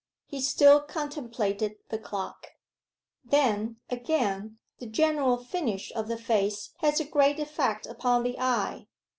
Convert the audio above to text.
He still contemplated the clock. 'Then, again, the general finish of the face has a great effect upon the eye.